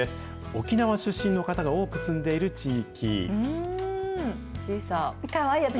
沖縄出身の方が多く住んでいる地域。